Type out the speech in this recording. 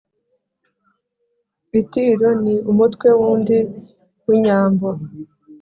itiro: ni umutwe wundi w’inyambo